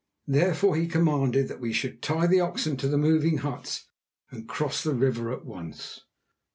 Therefore he commanded that "we should tie the oxen to the moving huts and cross the river at once."